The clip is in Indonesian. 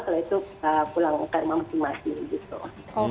setelah itu pulang ke rumah masing masing gitu